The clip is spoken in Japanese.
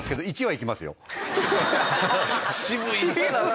渋い人だな。